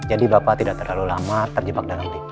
jadi bapak tidak terlalu lama terjebak dalam tim